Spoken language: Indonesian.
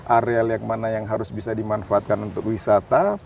areal yang mana yang harus bisa dimanfaatkan untuk wisata